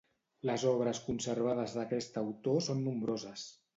Les obres conservades d'aquest autor són nombroses.